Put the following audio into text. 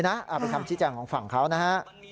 เป็นคำทิจัยของของเขานะฮะ